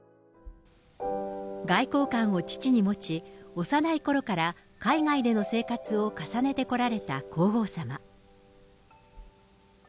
外交官を父に持ち、幼いころから海外での生活を重ねてこられた皇后さま。